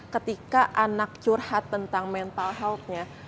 ketika anak curhat tentang mental health nya